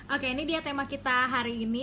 oke ini dia tema kita hari ini